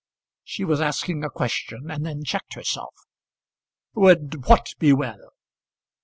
She was asking a question and then checked herself. "Would what be well?"